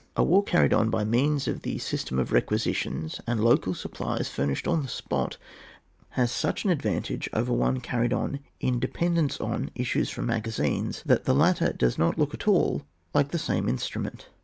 A war carried on by means of the system of requisitions and local sup plies furnished on the spot has such an advantage over one carried on in depend ence on issues from magazines, that the latter does not look at all like the same instrument.